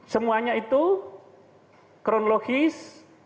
semuanya itu kronologis